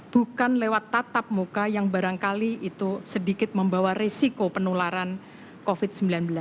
bukan lewat tatap muka yang barangkali itu sedikit membawa risiko penularan covid sembilan belas